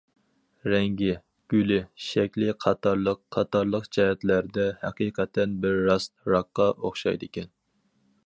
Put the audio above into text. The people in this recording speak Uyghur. رەڭگى، گۈلى، شەكلى قاتارلىق قاتارلىق جەھەتلەردە ھەقىقەتەن بىر راست راكقا ئوخشايدىكەن.